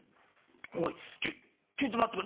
おいちょいと待ってくれ。